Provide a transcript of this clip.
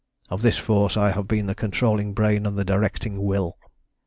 Of this force I have been the controlling brain and the directing will.